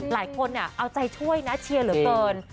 หลายคนเอาใจช่วยนะเชียร์เหลือเกิน